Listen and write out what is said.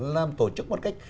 làm tổ chức một cách